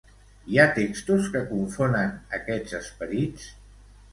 Hi ha textos que confonen aquests esperits?